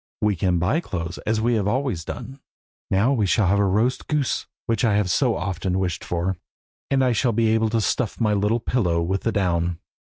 We can buy clothes, as we have always done. Now we shall have roast goose, which I have so often wished for, and I shall be able to stuff my little pillow with the down.